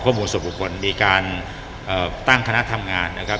ความหมุนส่วนบุคคลมีการเอ่อตั้งคณะทำงานนะครับ